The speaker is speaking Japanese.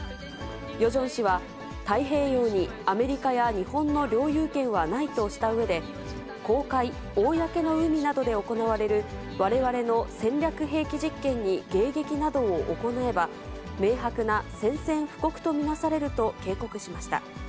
ヨジョン氏は、太平洋にアメリカや日本の領有権はないとしたうえで、公海・公の海などで行われるわれわれの戦略兵器実験に迎撃などを行えば、明白な宣戦布告と見なされると警告しました。